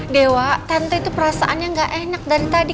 dewa tentu itu perasaannya gak enak dari tadi